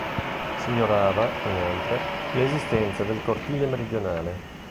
Si ignorava, inoltre, l'esistenza del cortile meridionale.